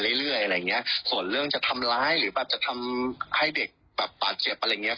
เรื่อยอะไรอย่างเงี้ยส่วนเรื่องจะทำร้ายหรือแบบจะทำให้เด็กแบบบาดเจ็บอะไรอย่างเงี้